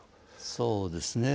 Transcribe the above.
そうですね。